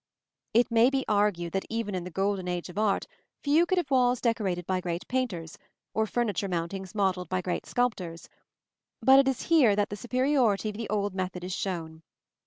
It may be argued that even in the golden age of art few could have walls decorated by great painters, or furniture mountings modelled by great sculptors; but it is here that the superiority of the old method is shown.